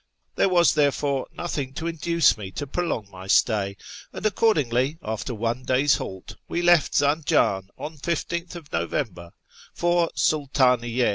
There was therefore nothing to induce me to prolong my stay, and accordingly, after one day's halt, we left Zanjan on 15th November for Sultaniyye.